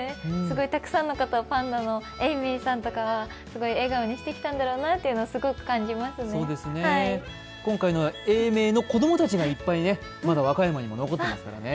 たくさんの方をパンダの永明さんとかは笑顔にしてきたんだろうなっていうのは今回の永明の子供たちがまだ和歌山にも残ってますからね。